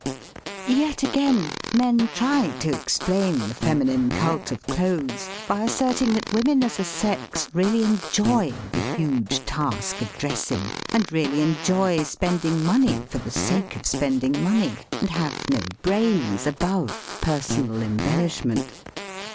Yet again, men try to explain the feminine cult of clothes by asserting that women as a ses really enjoy the huge task of dressing, and really enjoy spending money for the sake of spending money, and havo no brains above personal embellishment.